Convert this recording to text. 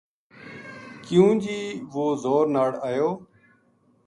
کیوں جی وہ زور ناڑ ایو